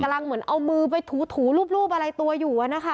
กำลังเหมือนเอามือไปถูถูรูปรูปอะไรตัวอยู่อะนะคะ